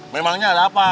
memangnya ada apa